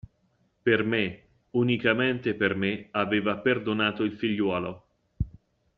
Per me, unicamente per me aveva perdonato il figliuolo.